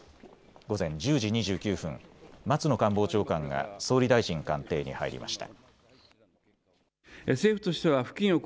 午前１０時２９分、松野官房長官が総理大臣官邸に入りました。